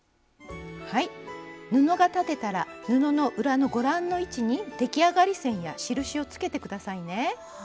布が裁てたら布の裏のご覧の位置に出来上がり線や印をつけて下さいね。